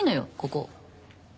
ここ。